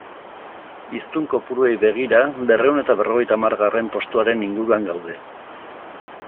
Hiztun kopuruei begira, berrehun eta berrogeita hamargarren postuaren inguruan gaude.